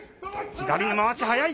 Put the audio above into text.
左のまわし、速い。